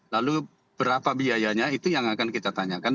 lalu berapa biayanya itu yang akan kita tanyakan